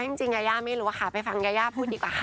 จริงยายาไม่รู้ค่ะไปฟังยายาพูดดีกว่าค่ะ